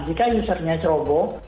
jika usernya ceroboh